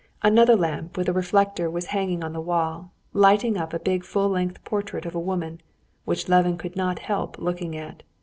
Another lamp with a reflector was hanging on the wall, lighting up a big full length portrait of a woman, which Levin could not help looking at.